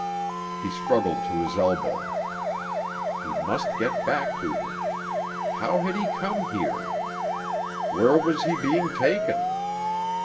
He struggled to his elbow. He must get back to her. How had he come here? Where was he being taken?